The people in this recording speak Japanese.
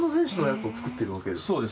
そうです。